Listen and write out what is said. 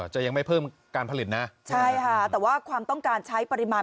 จะยังไม่เพิ่มการผลิตนะใช่ค่ะแต่ว่าความต้องการใช้ปริมาณ